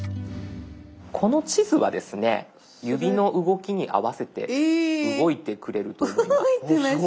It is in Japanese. この地図はですね指の動きに合わせて動いてくれると思います。